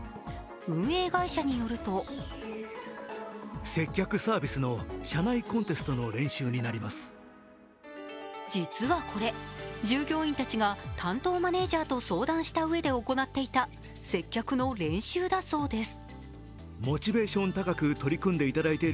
運営会社によると実はこれ、従業員たちが担当マネージャーと相談したうえで行っていた接客の練習だそうです。